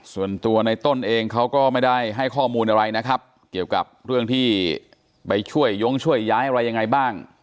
ส่วนตัวในต้นเองเขาก็ไม่ได้ให้ข้อมูลอะไรนะครับเกี่ยวกับเรื่องที่ไปช่วยย้งช่วยย้ายอะไรยังไงบ้าง